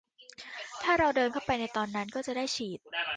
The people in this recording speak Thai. ถ้าเราเดินเข้าไปตอนนั้น ก็จะได้ฉีด